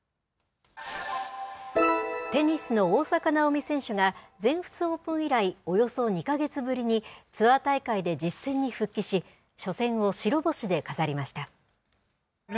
テニスの大坂なおみ選手が、全仏オープン以来、およそ２か月ぶりに、ツアー大会で実戦に復帰し、初戦を白星で飾りました。